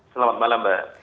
selamat malam mbak